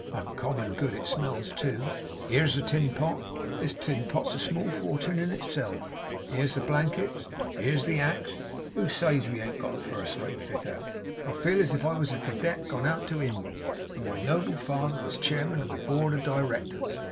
Uncommon good it smells too. Here's the tin pot. This tin pot's a small fortun' in itself! Here's the blankets. Here's the axe. Who says we ain't got a first rate fit out? I feel as if I was a cadet gone out to Indy, and my noble father was chairman of the Board of Directors.